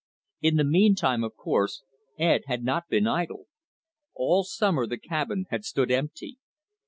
In the meantime, of course, Ed had not been idle. All summer the cabin had stood empty.